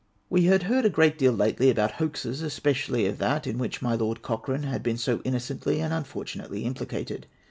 We had heard a great deal lately about hoaxes, especially of that in which my Lord Cochrane had been so innocently and unfortunately implicated.